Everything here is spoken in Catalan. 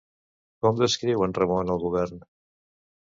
Com descriu en Ramon al govern?